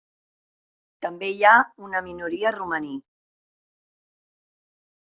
També hi ha una minoria romaní.